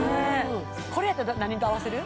これやったら何と合わせる？